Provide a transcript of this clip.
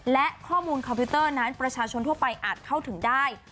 และข้อมูลคอมพิวเตอร์นั้นประชาชนทั่วไปอาจเข้าถึงได้